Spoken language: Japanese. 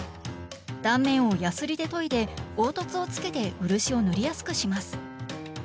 断面をヤスリで研いで凹凸をつけて漆を塗りやすくします。